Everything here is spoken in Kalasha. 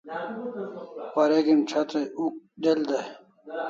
Wareg'in ch'etr ai uk del dai